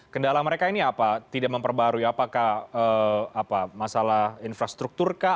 kendala mereka ini apa tidak memperbarui apakah masalah infrastruktur kah